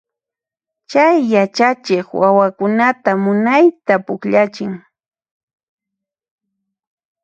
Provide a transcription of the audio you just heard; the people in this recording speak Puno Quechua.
Chay yachachiq wawakunata munayta pukllachin.